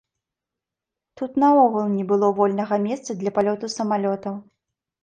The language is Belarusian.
Тут наогул не было вольнага месца для палёту самалётаў.